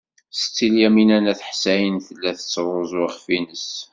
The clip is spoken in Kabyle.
Setti Lyamina n At Ḥsayen tella tettruẓu iɣef-nnes.